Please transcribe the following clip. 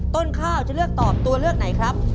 ต้นข้าวจะเลือกตอบตัวเลือกไหนครับ